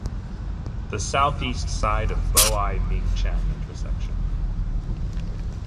The southeast side of Bo-ai Ming-cheng intersection.